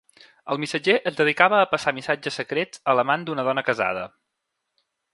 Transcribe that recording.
El missatger es dedicava a passar missatges secrets a l'amant d'una dona casada.